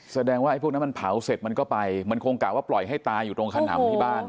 แสดงว่าไอ้พวกนั้นมันเผาเสร็จมันก็ไปมันคงกะว่าปล่อยให้ตายอยู่ตรงขนำที่บ้าน